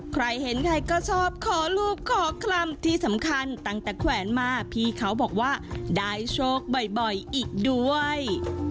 ใครเห็นใครก็ชอบขอรูปขอคำที่สำคัญตั้งแต่แขวนมาพี่เขาบอกว่าได้โชคบ่อยอีกด้วย